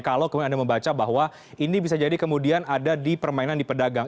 kalau kemudian anda membaca bahwa ini bisa jadi kemudian ada di permainan di pedagang